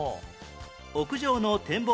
屋上の展望